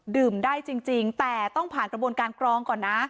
ได้จริงแต่ต้องผ่านกระบวนการกรองก่อนนะ